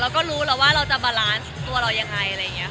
แล้วก็รู้แล้วว่าเราจะบาลานซ์ตัวเรายังไงอะไรอย่างนี้ค่ะ